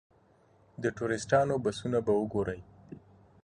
د ټوریسټانو بسونه به وګورئ.